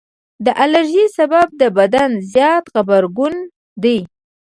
د الرجي سبب د بدن زیات غبرګون دی.